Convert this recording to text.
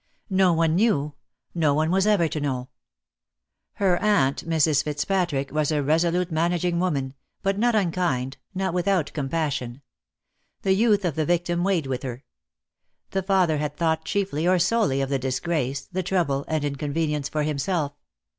No one knew, no one was ever to know! Her aunt, Mrs. Fitzpatrick, was a resolute managing woman, but not unkind, not without compassion. The youth of the victim weighed with her. The father had thought chiefly, or solely, of the disgrace, the trouble, and inconvenience for himself.